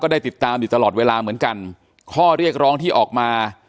ได้ติดตามอยู่ตลอดเวลาเหมือนกันข้อเรียกร้องที่ออกมา